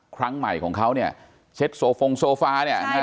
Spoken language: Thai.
ครั้งใหม่ของเขาเนี่ยเช็ดโซฟงโซฟาเนี่ย